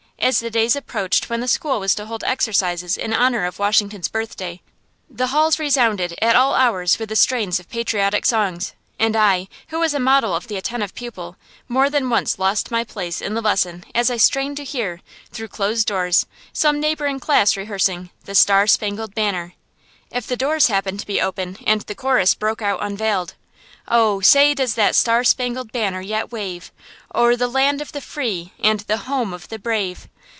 As the day approached when the school was to hold exercises in honor of Washington's Birthday, the halls resounded at all hours with the strains of patriotic songs; and I, who was a model of the attentive pupil, more than once lost my place in the lesson as I strained to hear, through closed doors, some neighboring class rehearsing "The Star Spangled Banner." If the doors happened to open, and the chorus broke out unveiled "O! say, does that Star Spangled Banner yet wave O'er the land of the free, and the home of the brave?"